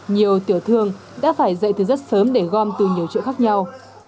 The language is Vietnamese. nhiều tiểu thương đã phải dậy từ rất sớm để gom từ nhiều chỗ khác nhau